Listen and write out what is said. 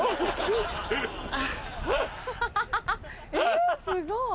えすごい。